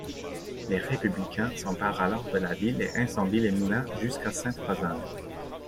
Les Républicains s'emparent alors de la ville et incendient les moulins jusqu'à Sainte-Pazanne.